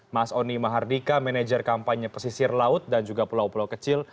mas oni mahardika manajer kampanye pesisir laut dan juga pulau pulau kecil